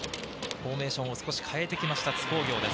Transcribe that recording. フォーメーションを少し変えてきた津工業です。